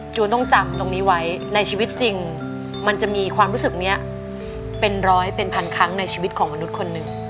ต้องจำตรงนี้ไว้ในชีวิตจริงมันจะมีความรู้สึกนี้เป็นร้อยเป็นพันครั้งในชีวิตของมนุษย์คนหนึ่ง